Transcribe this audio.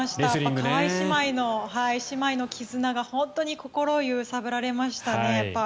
川井姉妹の絆が本当に心を揺さぶられましたね。